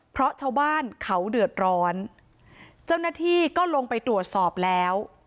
เพราะชาวบ้านเขาเดือดร้อนเจ้าหน้าที่ก็ลงไปตรวจสอบแล้ว